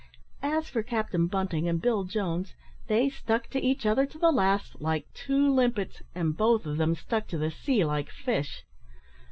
As for Captain Bunting and Bill Jones, they stuck to each other to the last, like two limpets, and both of them stuck to the sea like fish.